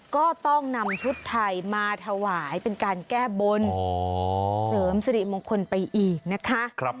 ก็ต้องนำชุดไทยมาถวายเป็นการแก้บนเสริมสิริมงคลไปอีกนะคะ